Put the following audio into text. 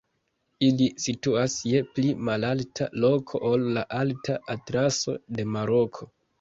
Ili situas je pli malalta loko ol la Alta Atlaso de Maroko.